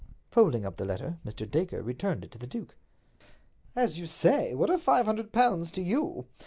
Folding up the letter, Mr. Dacre returned it to the duke. "As you say, what are five hundred pounds to you?